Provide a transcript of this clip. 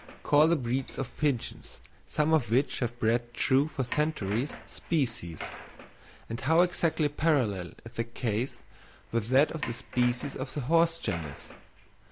Call the breeds of pigeons, some of which have bred true for centuries, species; and how exactly parallel is the case with that of the species of the horse genus!